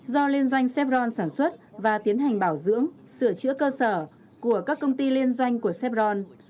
do liên doanh sipron sản xuất và tiến hành bảo dưỡng sửa chữa cơ sở của các công ty liên doanh của sépron